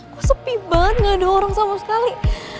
kok sepi banget gak ada orang sama sekali